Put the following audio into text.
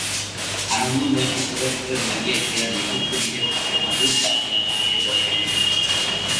আনন্দময়ীকে উপরের ঘরে লইয়া গিয়া মেঝের উপরে নিজের হাতে মাদুর পাতিয়া তাঁহাকে বসাইল।